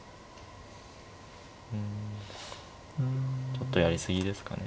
ちょっとやり過ぎですかね